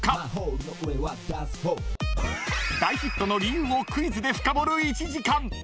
［大ヒットの理由をクイズでフカボる１時間！］